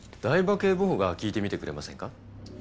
警部補が聞いてみてくれませんか？